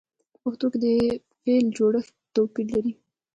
په پښتو کې د فعل جوړښت توپیر لري.